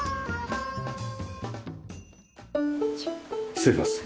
失礼します。